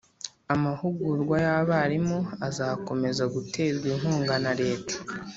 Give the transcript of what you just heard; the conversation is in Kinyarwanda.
amahugurwa y'abarimu azakomeza guterwa inkunga na leta.